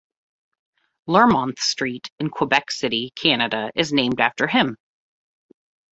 Learmonth Street in Quebec City, Canada is named after him.